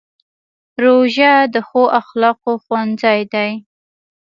روژه د ښو اخلاقو ښوونځی دی.